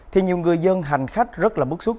thì nhiều người dân hành khách rất là bức xúc